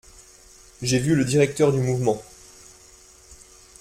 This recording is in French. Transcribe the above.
J’ai vu le directeur du Mouvement …